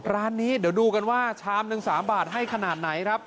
ร้านนี้เดี๋ยวดูกันว่าชามหนึ่ง๓บาทให้ขนาดไหนครับ